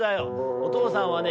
おとうさんはね